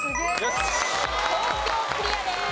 東京クリアです。